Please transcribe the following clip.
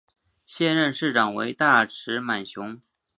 现任市长为大石满雄。